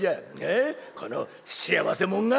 この幸せもんが！